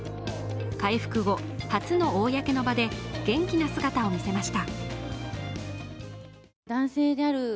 回復後、初の公の場で元気な姿を見せました。